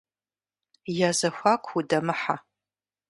Я зэхуаку удэмыхьэ.